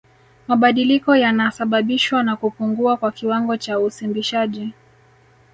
Mabadiliko yanasababishwa na kupungua kwa kiwango cha usimbishaji